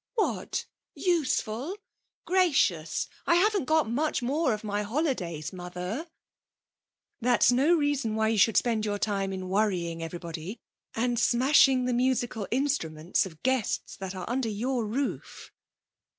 'What, useful? Gracious! I haven't got much more of my holidays, Mother.' 'That's no reason why you should spend your time in worrying everybody, and smashing the musical instruments of guests that are under your roof.'